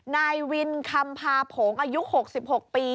นายวินคำพาโผงอายุ๖๖ปี